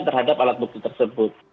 terhadap alat bukti tersebut